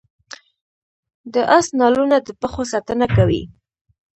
د اس نالونه د پښو ساتنه کوي